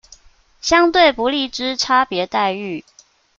相對不利之差別待遇